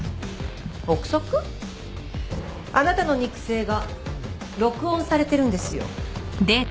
あなたの肉声が録音されてるんですよ。